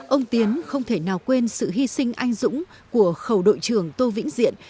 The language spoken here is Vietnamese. ông tiến không thể nào quên sự hy sinh anh dũng của khẩu đội trưởng tô vĩnh diện